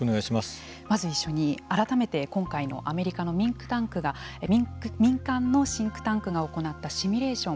まず、改めて、今回、アメリカの民間シンクタンクが行ったシミュレーション。